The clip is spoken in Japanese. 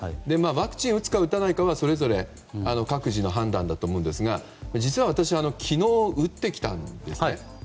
ワクチンを打つか打たないかはそれぞれ各自の判断だと思いますが実は私昨日、打ってきたんですね。